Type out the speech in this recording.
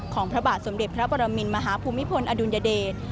พระบาทสมเด็จพระปรมินมหาภูมิพลอดุลยเดช